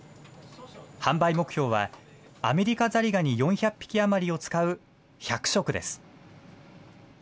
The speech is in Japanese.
販売目標は、アメリカザリガニ４００匹余りを使う１００食です。